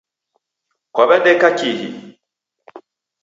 Kwaw'edeka kihi?